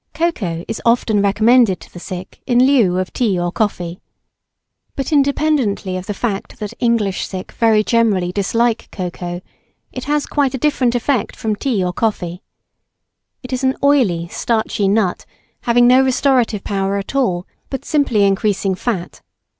[Sidenote: Cocoa.] Cocoa is often recommended to the sick in lieu of tea or coffee. But independently of the fact that English sick very generally dislike cocoa, it has quite a different effect from tea or coffee. It is an oily starchy nut having no restorative power at all, but simply increasing fat.